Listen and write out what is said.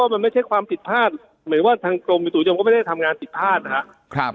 แค่ว่ามันไม่ใช่ความผิดพลาดหมายถึงว่าทางกรมประตูยนมก็ไม่ได้ทำงานผิดพลาดนะฮะ